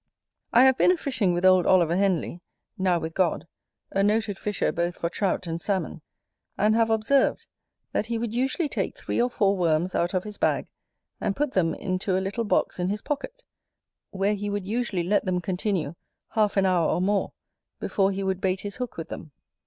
I have been a fishing with old Oliver Henly, now with God, a noted fisher both for Trout and Salmon; and have observed, that he would usually take three or four worms out of his bag, and put them into a little box in his pocket, where he would usually let them continue half an hour or more, before he would bait his hook with them.